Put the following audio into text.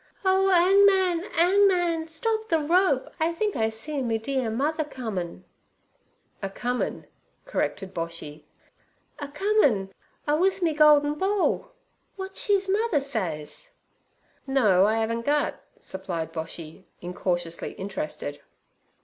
"Oh, 'angman, 'angman, stop the rope, I think I see me dear mother comin—" ' 'A comin" corrected Boshy. 'A comin' a with me goldin ball. W'at's she's mother says?' 'No, I 'aven't gut' supplied Boshy, incautiously interested.